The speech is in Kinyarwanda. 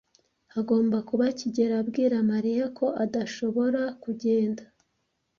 Hagomba kuba kigeli abwira Mariya ko adashobora kugenda.